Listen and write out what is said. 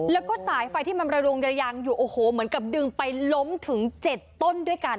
แล้วก็สายไฟที่มันระดวงระยางอยู่โอ้โหเหมือนกับดึงไปล้มถึง๗ต้นด้วยกัน